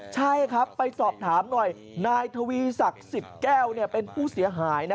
ใช่ครับไปสอบถามหน่อยนายทวีศักดิ์สิทธิ์แก้วเป็นผู้เสียหายนะ